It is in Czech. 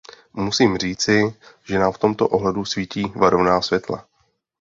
Musím říci, že nám v tomto ohledu svítí varovná světla.